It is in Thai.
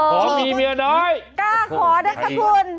ขอมีเนื้อน้อยกล้าขอนะครับคุณ